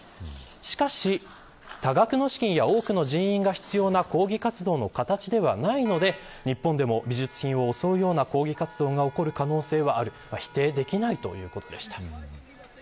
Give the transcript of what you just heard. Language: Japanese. しかし、多額の資金や多くの人員が必要な抗議活動の形ではないので、日本でも美術品を襲うような抗議活動が起こる可能性はあると否定できないということでした。